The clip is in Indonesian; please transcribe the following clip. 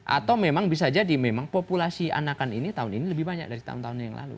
atau memang bisa jadi memang populasi anakan ini tahun ini lebih banyak dari tahun tahun yang lalu